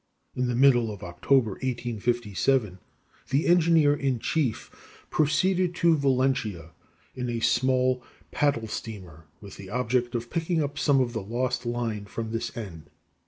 In the middle of October (1857), the engineer in chief proceeded to Valentia in a small paddle steamer with the object of picking up some of the lost line from this end.